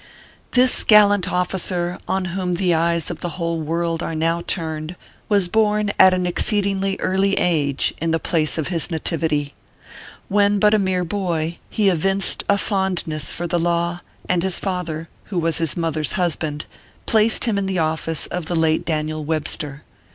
This gallant officer, on whom the eyes of the whole world are now turned, was born at an exceedingly early age, in the place of his nativity. When but a mere boy, he evinced a fondness for the law, and his father, who was his mother s husband, placed him in the office of the late Daniel Webster.